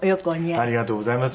ありがとうございます。